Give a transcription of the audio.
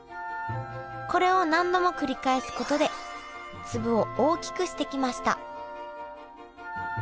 これを何度も繰り返すことで粒を大きくしてきました。